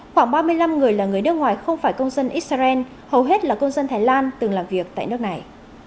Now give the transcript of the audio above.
khoảng ba mươi năm người là người nước ngoài không phải công dân israel hầu hết là công dân thái lan từng làm việc tại nước này